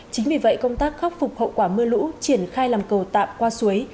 chính vì vậy công tác khắc phục hậu quả mưa lũ triển khai làm cầu tạm qua suối